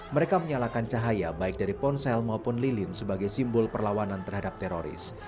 mereka menyalakan cahaya baik dari ponsel maupun lilin sebagai simbol perlawanan terhadap teroris